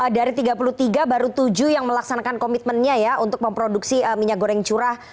dari tiga puluh tiga baru tujuh yang melaksanakan komitmennya ya untuk memproduksi minyak goreng curah